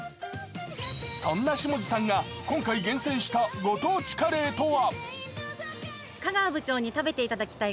そんな下地さんが今回厳選したご当地カレーとは？